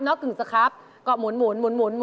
แล้วถึงสครับก็หมุน